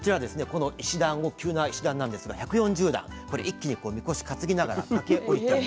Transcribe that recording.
この石段を急な石段なんですが１４０段これ一気にみこし担ぎながら駆け下りたり。